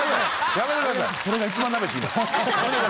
やめてください。